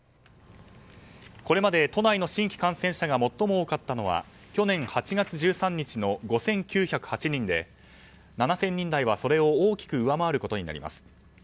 これまで都内の新規感染者が最も多かったのは去年８月１３日の５９０８人で７０００人台はそれを大きく上回ることになります。